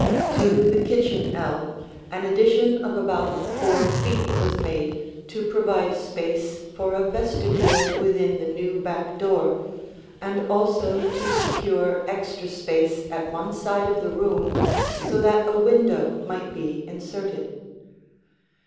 To the kitchen ell an addition of about four feet was made to provide space for a vestibule within the new back door and also to secure extra space at one side of the room so that a window might be inserted.